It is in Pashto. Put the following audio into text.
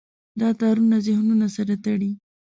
دا تارونه ذهنونه سره تړي.